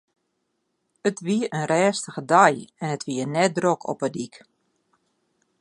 It wie in rêstige dei en it wie net drok op 'e dyk.